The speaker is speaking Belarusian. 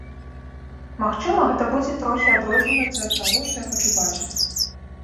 Магчыма, гэта будзе трохі адрознівацца ад таго, што я хачу бачыць.